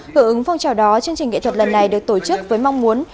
hưởng ứng phong trào đó chương trình nghệ thuật lần này được tổ chức với mong muốn